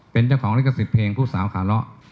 เป็นเจ้าของลิขสิทธิ์เพลงผู้สาวขาเลาะ